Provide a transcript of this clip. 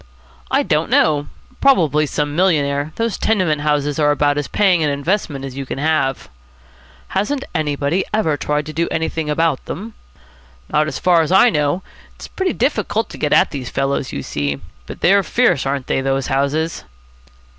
"I don't know. Probably some millionaire. Those tenement houses are about as paying an investment as you can have." "Hasn't anybody ever tried to do anything about them?" "Not so far as I know. It's pretty difficult to get at these fellows, you see. But they're fierce, aren't they, those houses!"